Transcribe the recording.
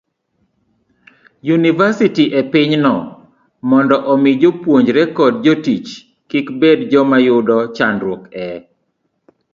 yunivasiti e pinyno, mondo omi jopuonjre kod jotich kik bed joma yudo chandruok e